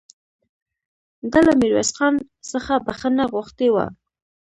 ده له ميرويس خان څخه بخښنه غوښتې وه